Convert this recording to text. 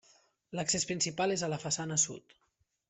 L'accés principal és a la façana sud.